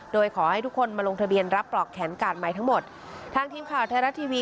โดยขอให้ทุกคนมาลงทะเบียนรับปลอกแขนกาดใหม่ทั้งหมดทางทีมข่าวไทยรัฐทีวี